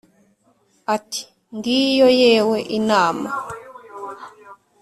ati: "Ngiyo yewe inama!"